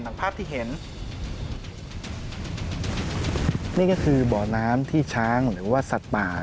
สำหรับพื้นที่ทุ่งสลักพระ